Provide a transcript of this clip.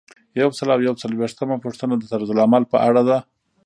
یو سل او یو څلویښتمه پوښتنه د طرزالعمل په اړه ده.